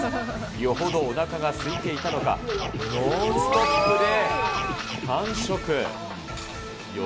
よほどおなかがすいていたのか、ノンストップで完食。